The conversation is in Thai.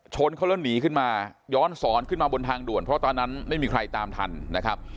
ชนเขาแล้วหนีขึ้นมาย้อนสอนขึ้นมาบนทางด่วนเพราะตอนนั้นไม่มีใครตามทันนะครับ